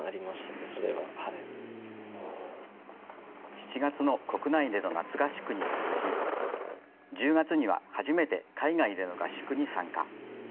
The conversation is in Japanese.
７月の国内での夏合宿に続き、１０月には初めて海外での合宿に参加。